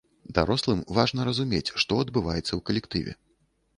Дарослым важна разумець, што адбываецца ў калектыве.